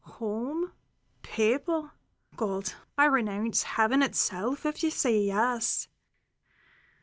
"Home? People? God! I renounce Heaven itself if you say yes!"